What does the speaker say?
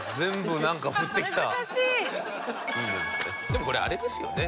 でもこれあれですよね。